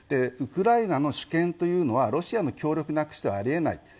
ウクライナの主権というのはロシアの協力なくしてはありえない。